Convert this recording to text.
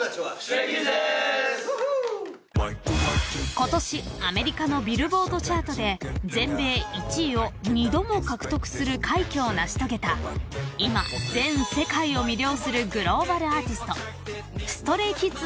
［ことしアメリカのビルボード・チャートで全米１位を二度も獲得する快挙を成し遂げた今全世界を魅了するグローバルアーティストＳｔｒａｙＫｉｄｓの皆さんが『ＦＮＳ歌謡祭』に初出演］